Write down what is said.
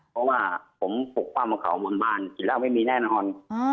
เพราะว่าผมปลุกความเขามากมายกลิ่นเหล้าไม่มีแน่นอน